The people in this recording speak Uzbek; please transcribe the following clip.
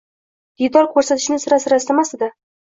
diydor ko‘rsatishni sira-sira istamasdi-da.